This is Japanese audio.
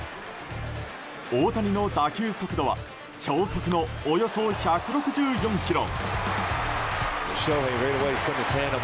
大谷の打球速度は超速のおよそ１６４キロ。